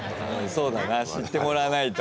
そうだな知ってもらわないと。